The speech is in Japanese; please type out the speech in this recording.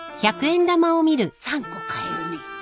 ３個買えるね。